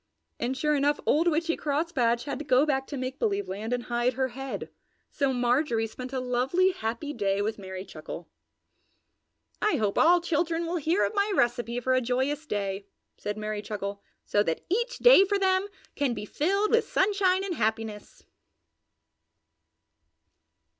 And, sure enough, old Witchy Crosspatch had to go back to Make Believe Land and hide her head, so Marjorie spent a lovely, happy day with Merry Chuckle. "I hope all children will hear of my recipe for a joyous day," said Merry Chuckle, "so that each day for them can be filled with sunshine and happiness!"